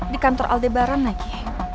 di kantor aldebaran lagi